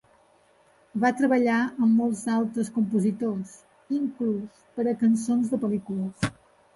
Va treballar amb molts altres compositors, inclús per a cançons de pel·lícules.